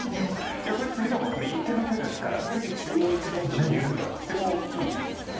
いやこれツギ一手の手ですから次中央１目逃げる手はとても大きいですので。